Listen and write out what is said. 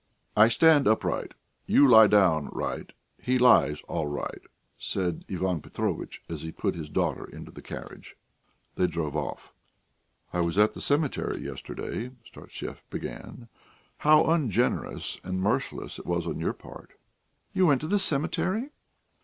"I stand upright; you lie down right; he lies all right," said Ivan Petrovitch as he put his daughter into the carriage. They drove off. "I was at the cemetery yesterday," Startsev began. "How ungenerous and merciless it was on your part!..." "You went to the cemetery?"